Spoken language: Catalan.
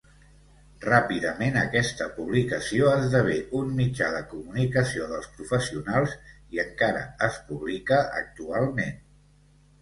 Ràpidament aquesta publicació esdevé un mitjà de comunicació dels professionals i encara es publica actualment.